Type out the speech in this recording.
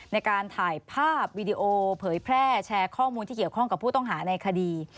ในการถ่ายภาพวิดีโอเผยแพร่แชร์ข้อมูลที่เกี่ยวข้องกับผู้ต้องหาในคดี